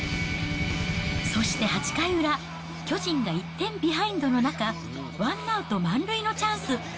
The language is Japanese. そして８回裏、巨人が１点ビハインドの中、ワンアウト満塁のチャンス。